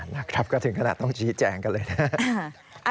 นักทัพก็ถึงขนาดต้องชี้แจงกันเลยนะ